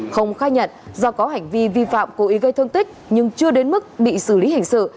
không khai nhận do có hành vi vi phạm cố ý gây thương tích nhưng chưa đến mức bị xử lý hình sự